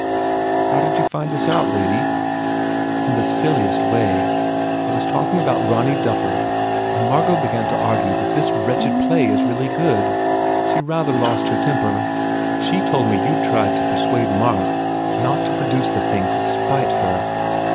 "How did you find this out, Lady " "In the silliest way. I was talking about Ronny Dufford and Margot began to argue that this wretched play is really good. She rather lost her temper. She told me you d tried to per suade Mark not to produce the thing to spite her.